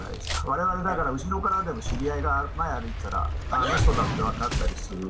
我々だから後ろからでも知り合いが前歩いてたらあの人だってわかったりする